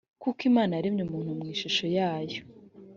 kuko imana yaremye umuntu mu ishusho yayo